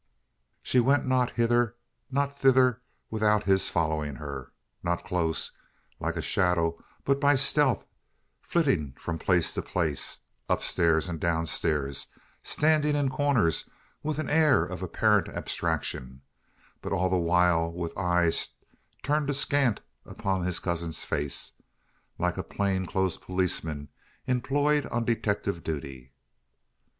She went not hither, nor thither, without his following her not close, like a shadow; but by stealth, flitting from place to place; upstairs, and downstairs; standing in corners, with an air of apparent abstraction; but all the while with eyes turned askant upon his cousin's face, like a plain clothes policeman employed on detective duty.